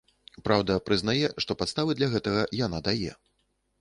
Праўда, прызнае, што падставы для гэтага яна дае.